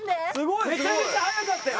めちゃめちゃ速かったよ。